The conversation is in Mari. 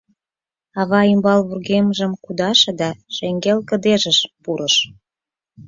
Ава ӱмбал вургемжым кудаше да шеҥгел кыдежыш пурыш.